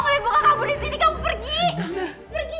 mereka nabung di sini